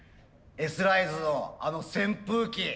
Ｓライズのあの扇風機。